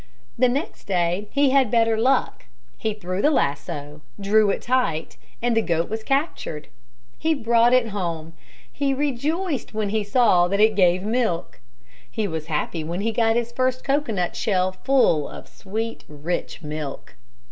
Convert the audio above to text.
The next day he had better luck. He threw the lasso, drew it tight and the goat was captured. He brought it home. He rejoiced when he saw that it gave milk. He was happy when he got his first cocoanut shell full of sweet rich milk.